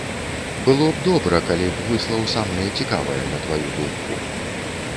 Было б добра, калі б выслаў самае цікавае, на тваю думку.